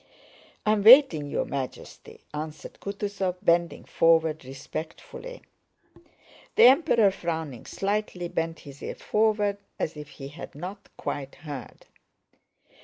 "I am waiting, Your Majesty," answered Kutúzov, bending forward respectfully. The Emperor, frowning slightly, bent his ear forward as if he had not quite heard.